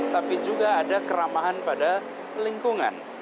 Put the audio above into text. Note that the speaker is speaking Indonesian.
tapi juga ada keramahan pada lingkungan